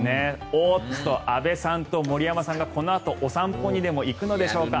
おっと、安部さんと森山さんがこのあとお散歩にでも行くのでしょうか。